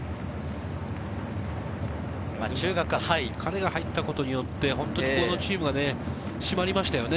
彼が入ったことによってこのチームは締まりましたよね。